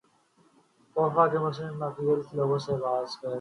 کوفہ میں Muslim bin Aqil سے لوگ بیعت کر